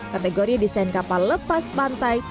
kategori desain kapal lepas pantai